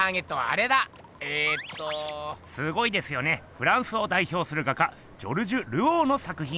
フランスをだいひょうする画家ジョルジュ・ルオーの作品。